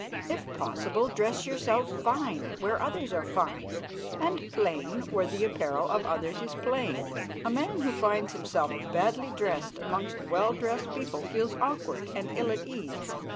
If possible, dress yourself fine where others are fine, and plain where the apparel of others is plain. A man who finds himself badly dressed amongst well dressed people feels awkward and ill at ease.